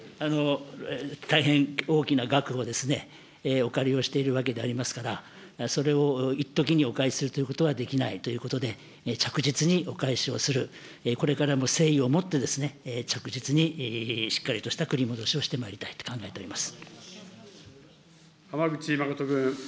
大変大きな額をお借りをしているわけでありますから、それをいっときにお返しするということはできないということで、着実にお返しをする、これからも誠意をもって着実にしっかりとした繰り戻しをしてまい浜口誠君。